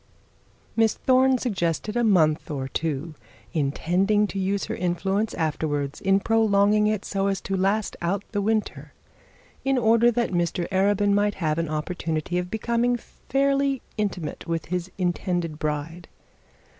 Miss Thorne suggested a month or two, intending to use her influence afterwards in prolonging it so as to last out the winter, in order that Mr Arabin might have an opportunity of becoming fairly intimate with his intended bride.